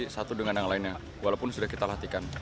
satu dengan yang lainnya walaupun sudah kita latihkan